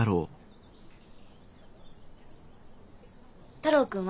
太郎君は？